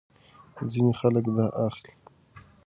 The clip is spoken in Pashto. ځینې خلک دا اخلي.